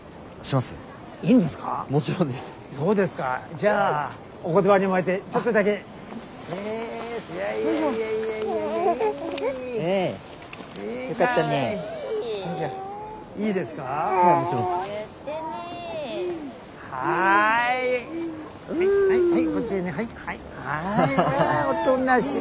まあおとなしい。